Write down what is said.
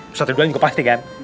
ustadz ridwan juga pasti kan